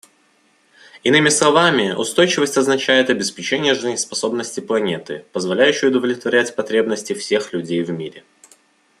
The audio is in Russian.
Иными словами, устойчивость означает обеспечение жизнеспособности планеты, позволяющей удовлетворять потребности всех людей в мире.